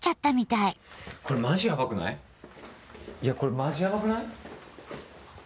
いやこれマジやばくない？